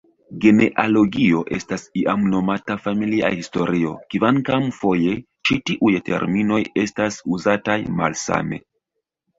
Genealogio estas iam nomata familia historio, kvankam foje ĉi tiuj terminoj estas uzataj malsame.